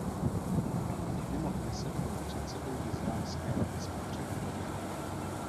Mimo Kneset byl předsedou Izraelské rady spotřebitelů.